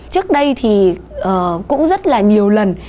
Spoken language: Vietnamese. trước đây thì cũng rất là nhiều lần